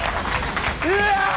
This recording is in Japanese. うわ。